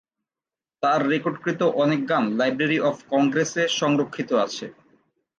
তার রেকর্ডকৃত অনেক গান লাইব্রেরী অফ কংগ্রেসে সংরক্ষিত আছে।